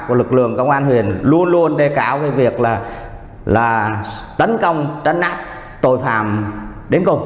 của lực lượng công an huyện luôn luôn đeo cao việc tấn công trấn áp tội phạm đến cùng